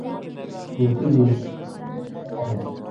طوطي د انسان خبرې تکرارولی شي